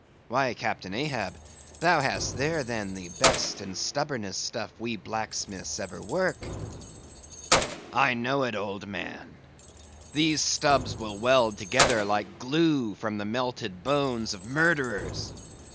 Why, Captain Ahab, thou hast here, then, the best and stubbornest stuff we blacksmiths ever work." "I know it, old man; these stubbs will weld together like glue from the melted bones of murderers.